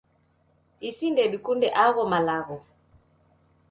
isi ndedikunde agho malagho